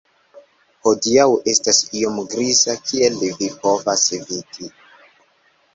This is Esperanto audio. Hodiaŭ estas iom griza kiel vi povas vidi